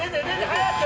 早く！